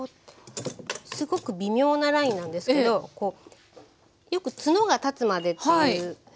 すごく微妙なラインなんですけどよくツノが立つまでっていう。